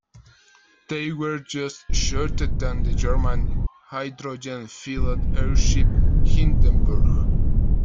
They were just shorter than the German hydrogen-filled airship "Hindenburg".